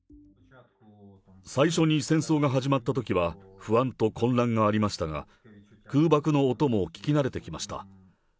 最初に戦争が始まったときは、不安と混乱がありましたが、空爆の音も聞き慣れてきました。